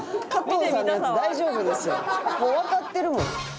もうわかってるもん。